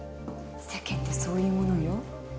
世間ってそういうものよ